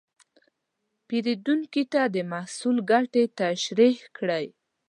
پیرودونکي ته د محصول ګټې تشریح کړئ.